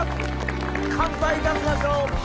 乾杯いたしましょう。